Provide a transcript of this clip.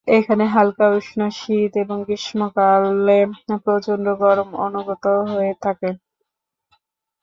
এখানে হালকা-উষ্ণ শীত এবং গ্রীষ্মকালে প্রচন্ড গরম অনুভূত হয়ে থাকে।